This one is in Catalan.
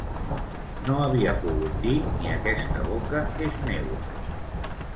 No havia pogut dir ni aquesta boca és meua.